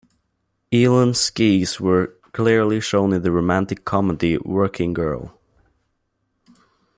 Elan skis were clearly shown in the romantic comedy "Working Girl".